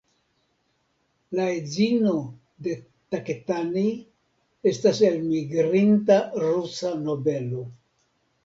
La edzino de Taketani estas elmigrinta rusa nobelo.